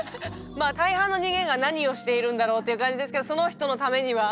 まあ大半の人間が何をしているんだろうっていう感じですけどその人のためには。